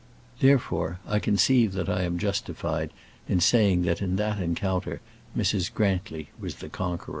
Therefore I conceive that I am justified in saying that in that encounter Mrs. Grantly was the conqueror.